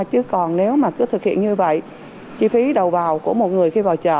chứ còn nếu mà cứ thực hiện như vậy chi phí đầu vào của một người khi vào chợ